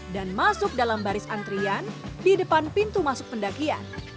dan masuk dalam baris antrian di depan pintu masuk pendakian